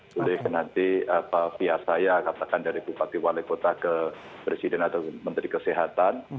boleh ke nanti via saya katakan dari bupati wali kota ke presiden atau menteri kesehatan